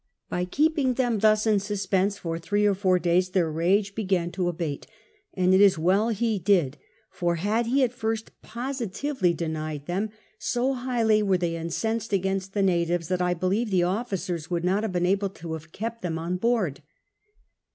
By keeping them thus in suspense for three or four days their rage began to abate ; and it is well he did, for had he at first positively denied them, so highly were tliey incensed against the natives, that I believe the officers would not have been able to have kept them on board.